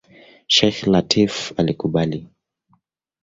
Sheikh Lateef alikubali.